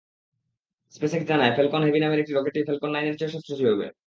SpaceX জানায়, Falcon Heavy নামের রকেটটি ফ্যালকন নাইনের চেয়েও সাশ্রয়ী হবে।